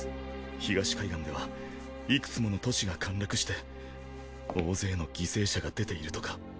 東海岸ではいくつもの都市が陥落して大勢の犠牲者が出ているとか。